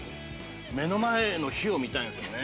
◆目の前の火を見たいんですよね。